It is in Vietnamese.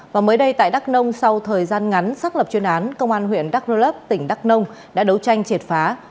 và mới đây tại đắk nông sau thời gian ngắn xác lập chuyên án công an huyện đắk rơ lấp tỉnh đắk nông đã đấu tranh triệt phá